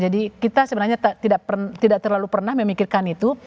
kita sebenarnya tidak terlalu pernah memikirkan itu